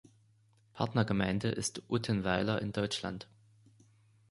Partnergemeinde ist Uttenweiler in Deutschland.